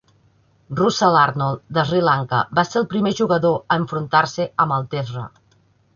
Russel Arnold de Sri Lanka va ser el primer jugador a enfrontar-se amb la teesra.